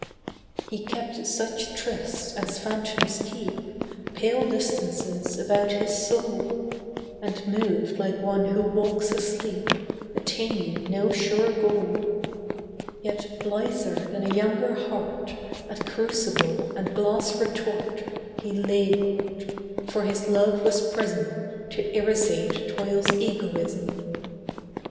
He kept such trysts as phantoms keep, Pale distances about his soul; And moved like one who walks asleep, Attaining no sure goal: Yet blither than a younger heart At crucible and glass retort He labored; for his love was prism To irisate toil's egoism.